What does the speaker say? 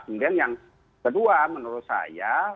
kemudian yang kedua menurut saya